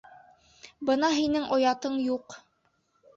Бына һинең оятың юҡ!